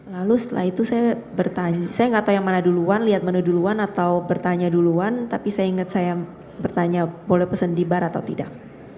lalu setelah itu saya bertanya saya nggak tahu yang mana duluan lihat menu duluan atau bertanya duluan tapi saya ingat saya bertanya boleh pesan di bar atau tidak